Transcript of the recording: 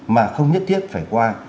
mà không nhất thiết phải qua